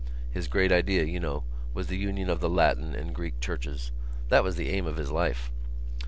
His great idea, you know, was the union of the Latin and Greek Churches. That was the aim of his life."